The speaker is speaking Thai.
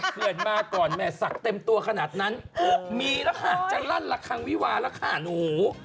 เขื่อนมาก่อนแม่ศักดิ์เต็มตัวขนาดนั้นมีแล้วค่ะจะลั่นละคังวิวาแล้วค่ะหนู